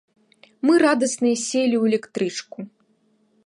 Мы радасныя селі ў электрычку.